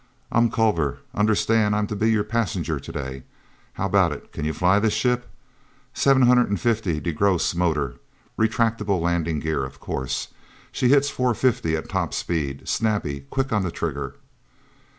"I'm Culver. Understand I'm to be your passenger to day. How about it—can you fly the ship? Seven hundred and fifty DeGrosse motor—retractable landing gear, of course. She hits four fifty at top speed—snappy—quick on the trigger."